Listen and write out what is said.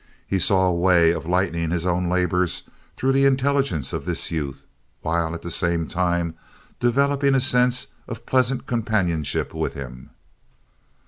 He saw a way of lightening his own labors through the intelligence of this youth; while at the same time developing a sense of pleasant companionship with him.